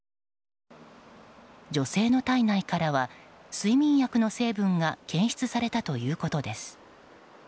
女性の体内からは睡眠薬の成分が検出されたということです。